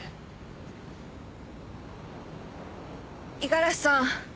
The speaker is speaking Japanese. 五十嵐さん。